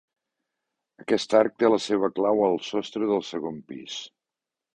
Aquest arc té la seva clau al sostre del segon pis.